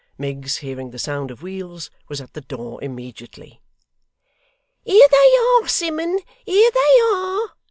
Miggs hearing the sound of wheels was at the door immediately. 'Here they are, Simmun! Here they are!